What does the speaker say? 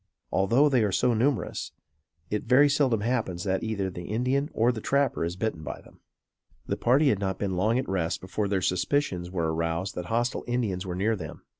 Although they are so numerous, it very seldom happens that either the Indian or the trapper is bitten by them. The party had not been long at rest before their suspicions were aroused that hostile Indians were near them.